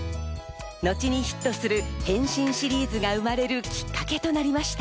後にヒットする変身シリーズが生まれるきっかけとなりました。